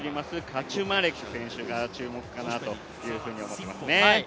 カチュマレク選手が注目かなと思いますね。